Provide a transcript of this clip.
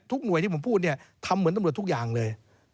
หน่วยที่ผมพูดเนี่ยทำเหมือนตำรวจทุกอย่างเลย